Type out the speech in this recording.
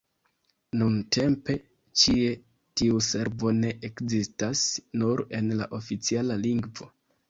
Nuntempe ĉie tiu servo ne ekzistas, nur en la oficiala lingvo.